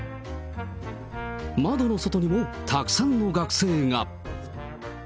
窓の外にもたくさんの学生が。